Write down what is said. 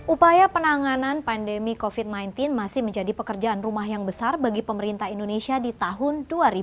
upaya penanganan pandemi covid sembilan belas masih menjadi pekerjaan rumah yang besar bagi pemerintah indonesia di tahun dua ribu dua puluh